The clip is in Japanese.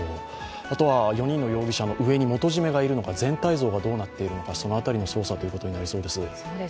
あとは４人の容疑者の上に元締めがいるのか全体像がどうなっているのかその辺りの捜査ということになりそうです。